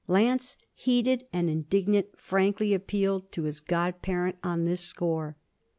Lance, heated and indignant, frankly appealed to his godparent on this score.